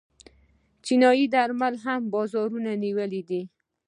چیني درمل هم بازارونه نیولي دي.